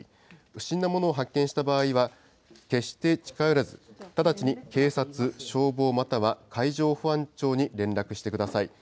不審なものを発見した場合は、決して近寄らず、直ちに警察、消防または海上保安庁に連絡してください。